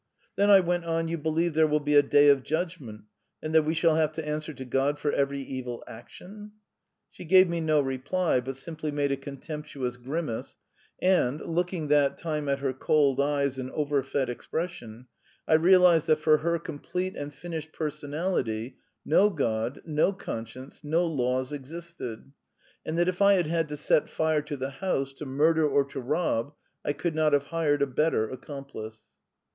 "Then," I went on, "you believe there will be a day of judgment, and that we shall have to answer to God for every evil action?" She gave me no reply, but simply made a contemptuous grimace, and, looking that time at her cold eyes and over fed expression, I realised that for her complete and finished personality no God, no conscience, no laws existed, and that if I had had to set fire to the house, to murder or to rob, I could not have hired a better accomplice.